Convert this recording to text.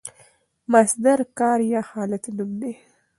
مصدر د کار یا حالت نوم دئ.